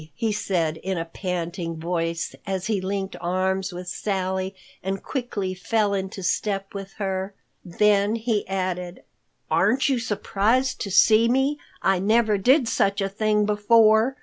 he said in a panting voice, as he linked arms with Sally and quickly fell into step with her. Then he added, "Aren't you surprised to see me? I never did such a thing before.